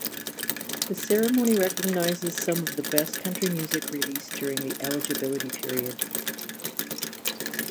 The ceremony recognizes some of the best country music released during the eligibility period.